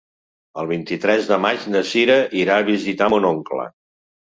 El vint-i-tres de maig na Cira irà a visitar mon oncle.